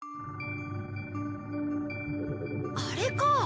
あれか。